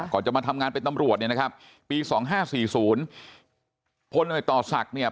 ก่อนจะมาทำงานเป็นนำรวดปี๒๕๔๐พลต่อศักดิ์